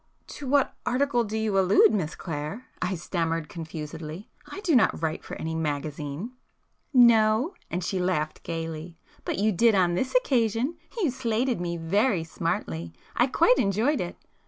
"To what article do you allude, Miss Clare?" I stammered confusedly—"I do not write for any magazine." "No?" and she laughed gaily—"But you did on this occasion! You 'slated' me very smartly!—I quite enjoyed it.